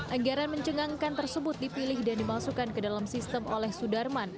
anggaran mencengangkan tersebut dipilih dan dimasukkan ke dalam sistem oleh sudarman